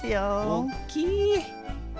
おっきい！